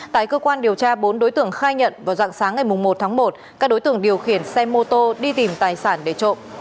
tại cơ quan điều tra bốn đối tượng khai nhận vào dạng sáng ngày một tháng một các đối tượng điều khiển xe mô tô đi tìm tài sản để trộm